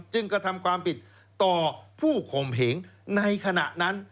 กระทำความผิดต่อผู้ข่มเหงในขณะนั้น